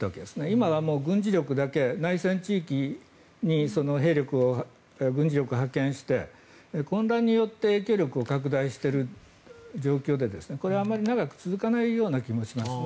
今は軍事力だけ内戦地域に兵力を、軍事力を派遣して混乱によって影響力を拡大している状況でこれはあまり長く続かないような気もします。